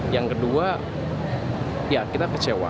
yang kedua ya kita kecewa